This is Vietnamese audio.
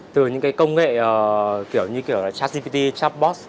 từ những cái công nghệ kiểu như kiểu chartsgpt chartsbot